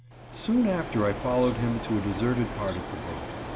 Soon after I followed him to a deserted part of the boat.